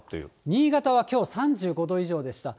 新潟はきょう３５度以上でした。